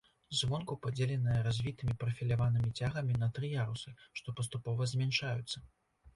Звонку падзеленая развітымі прафіляванымі цягамі на тры ярусы, што паступова змяншаюцца.